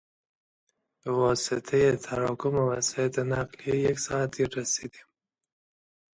به واسطهی تراکم وسایط نقلیه یک ساعت دیر رسیدیم.